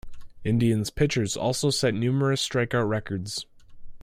Indians' pitchers also set numerous strikeout records.